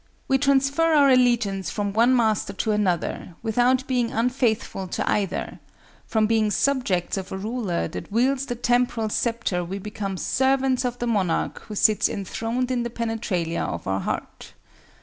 We transfer our allegiance from one master to another, without being unfaithful to either; from being subjects of a ruler that wields the temporal sceptre we become servants of the monarch who sits enthroned in the penetralia of our heart.